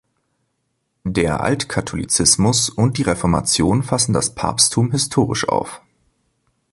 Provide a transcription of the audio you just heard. Der Altkatholizismus und die Reformation fassen das Papsttum historisch auf.